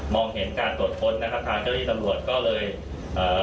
เห็นการตรวจค้นนะครับทางเจ้าที่ตำรวจก็เลยเอ่อ